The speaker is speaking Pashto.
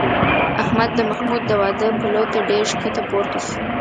احمد د محمود د واده پلو ته ډېر ښکته پورته شو.